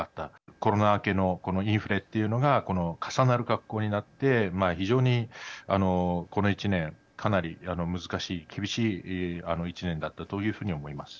コロナ明けのこのインフレというのがこの重なる格好になって非常にこの１年かなり難しい厳しい１年だったというふうに思います。